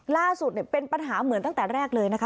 ล่าสุดเป็นปัญหาเหมือนตั้งแต่แรกเลยนะคะ